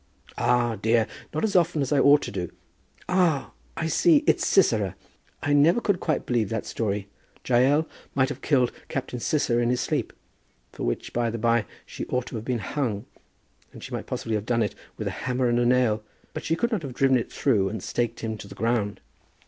"Ah, dear! not as often as I ought to do. Ah, I see; it's Sisera. I never could quite believe that story. Jael might have killed Captain Sisera in his sleep, for which, by the by, she ought to have been hung, and she might possibly have done it with a hammer and a nail. But she could not have driven it through, and staked him to the ground."